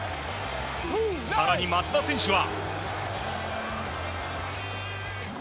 更に松田選手は。